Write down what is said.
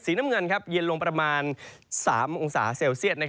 น้ำเงินเย็นลงประมาณ๓องศาเซลเซียต